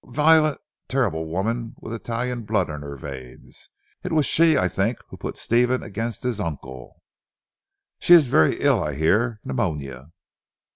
A violent terrible woman with Italian blood in her veins. It was she I think who put Stephen against his uncle." "She is very ill I hear. Pneumonia."